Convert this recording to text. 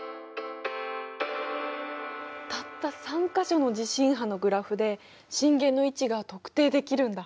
たった３か所の地震波のグラフで震源の位置が特定できるんだ。